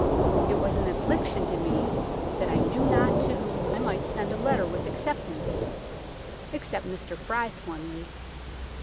It was an afliction to mee that I knew not to whom I might send a letter with acceptance (except Mr Fryth onely).